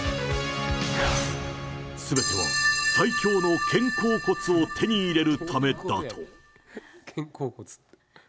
すべては最強の肩甲骨を手に入れるためだと。